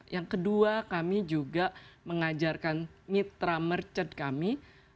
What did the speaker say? yang kedua kami juga mengajarkan mitra merchant kami